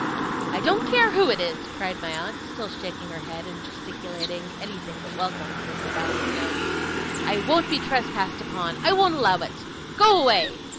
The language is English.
'I don't care who it is!' cried my aunt, still shaking her head and gesticulating anything but welcome from the bow window. 'I won't be trespassed upon. I won't allow it. Go away!